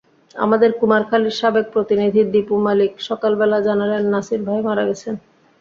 আমাদের কুমারখালীর সাবেক প্রতিনিধি দীপু মালিক সকাল বেলা জানালেন, নাসির ভাই মারা গেছেন।